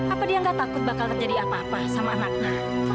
apa dia gak takut bakal terjadi apa apa sama anaknya